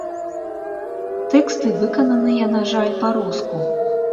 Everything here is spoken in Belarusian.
Тэксты выкананыя, на жаль, па-руску.